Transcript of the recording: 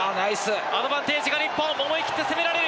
アドバンテージが日本思い切って攻められる！